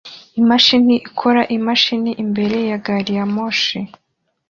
Imashini ikora imashini imbere ya gari ya moshi